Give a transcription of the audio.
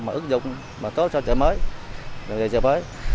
mà ứng dụng và tốt cho chợ mới đề nghị chợ mới